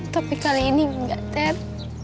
tapi kali ini enggak ter